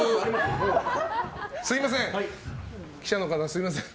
すみません。